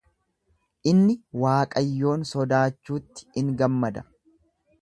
Inni Waaqayyoon sodaachuutti in gammada.